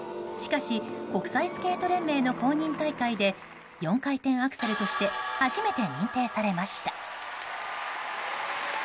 しかし、国際スケート連盟の公認大会で４回転アクセルとして初めて認定されました。